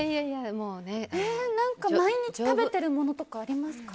何か毎日食べてるものとかありますか？